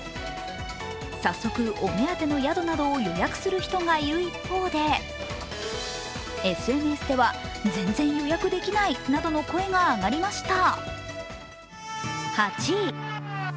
早速、お目当ての宿などを予約する人がいる一方でＳＮＳでは全然予約できないなどの声が上がりました。